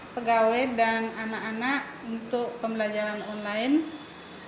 pegawai dan anak anak untuk pembelajaran online